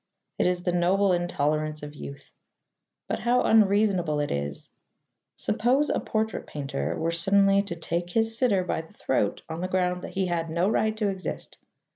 It is the noble intolerance of youth; but how unreasonable it is! Suppose a portrait painter were suddenly to take his sitter by the throat on the ground that he had no right to exist.